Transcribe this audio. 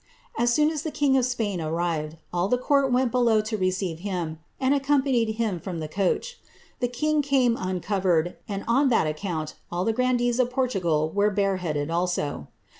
As soon as the king of Spain arrived, all the cosrt went below to receive him, and accompanied him from the coach. Thi king came uncovered, and on that account all the grandees of Portofil were bareheaded also.